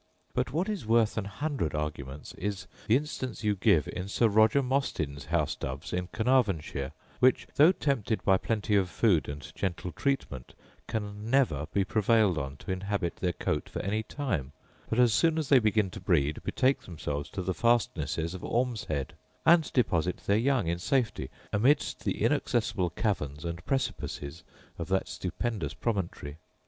But what is worth an hundred arguments is, the instance you give in Sir Roger Mostyn's house doves, in Caernarvonshire; which, though tempted by plenty of food and gentle treatment, can never be prevailed on to inhabit their cote for any time; but as soon as they begin to breed, betake themselves to the fastnesses of Ormshead, and deposit their young in safety amidst the inaccessible caverns and precipices of that stupendous promontory.